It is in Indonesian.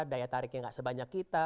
daya tariknya gak sebanyak kita